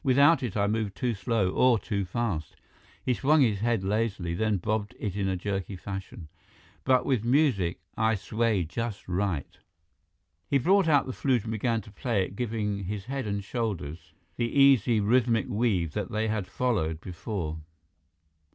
"Without it, I move too slow or too fast." He swung his head lazily, then bobbed it in jerky fashion. "But with music, I sway just right." He brought out the flute and began to play it, giving his head and shoulders the easy, rhythmic weave that they had followed before.